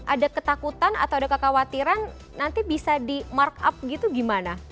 ada ketakutan atau ada kekhawatiran nanti bisa di markup gitu gimana